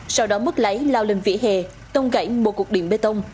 sau đó mất lái lao lên vỉa hè tông gãy một cột điện bê tông